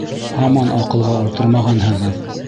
Һаман аҡылға ултырмағанһығыҙ!